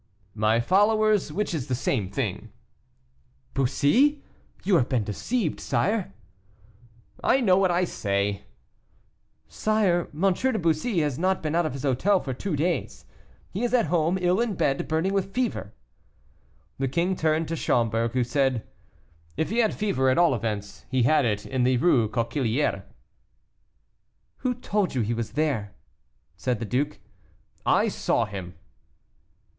"My followers, which is the same thing." "Bussy! you have been deceived, sire." "I know what I say." "Sire, M. de Bussy has not been out of his hotel for two days. He is at home, ill in bed, burning with fever." The king turned to Schomberg, who said, "If he had fever, at all events he had it in the Rue Coquillière." "Who told you he was there?" said the duke. "I saw him."